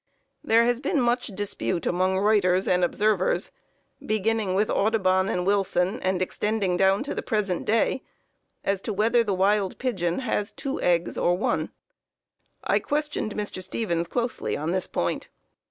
"There has been much dispute among writers and observers, beginning with Audubon and Wilson, and extending down to the present day, as to whether the wild pigeon has two eggs or one. I questioned Mr. Stevens closely on this point.